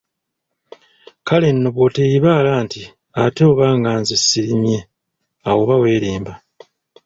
Kale nno bw'oteeyibaala nti ate obanga nze saalimye awo oba weerimba!